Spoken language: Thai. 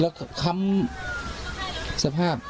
แล้วก็ค้ำสภาพ